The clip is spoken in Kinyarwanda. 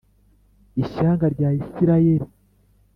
ishyanga rya Isirayeli